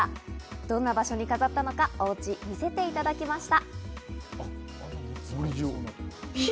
どんな場所に飾ったのか、おうちを見せていただきました。